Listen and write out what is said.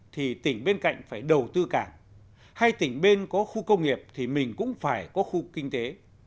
thì tỉnh bên cạnh phải đầu tư cảng hay tỉnh bên có khu công nghiệp thì mình cũng phải có khu kinh tế